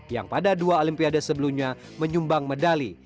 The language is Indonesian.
yang pada dua olimpiade sebelumnya menyumbang medali